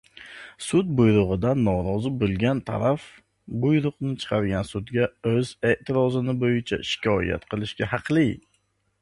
Sud buyrugʻidan norozi boʻlgan taraf buyruqni chiqargan sudga oʻz eʼtirozi boʻyicha shikoyat qilishga haqli.